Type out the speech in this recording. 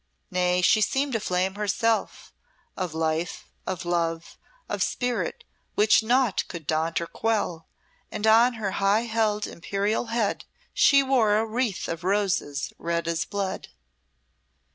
Nay, she seemed a flame herself of life, of love, of spirit which naught could daunt or quell, and on her high held imperial head she wore a wreath of roses red as blood.